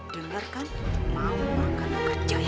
dengarkan mau makan mau kerja ya